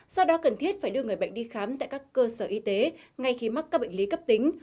do đó cần thiết phải đưa người bệnh đi khám tại các cơ sở y tế ngay khi mắc các bệnh lý cấp tính